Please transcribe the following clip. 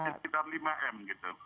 kecuali lima m gitu